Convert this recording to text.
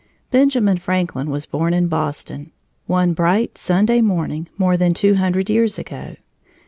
Benjamin Franklin was born in Boston, one bright Sunday morning more than two hundred years ago.